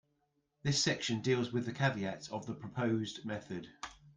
This section deals with the caveats of the proposed method.